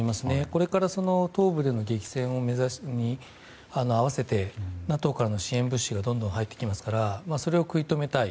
これから東部での激戦に合わせてＮＡＴＯからの支援物資がどんどん入ってきますからそれを食い止めたい。